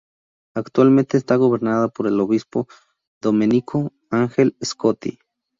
Actualmente está gobernada por el obispo Domenico Ángel Scotti.